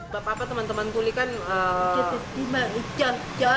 bapak bapak teman teman kulikan